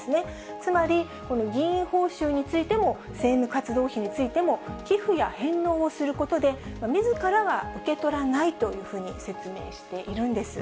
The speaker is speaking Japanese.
つまり、この議員報酬についても政務活動費についても、寄付や返納をすることで、みずからは受け取らないというふうに説明しているんです。